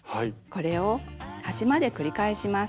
これを端まで繰り返します。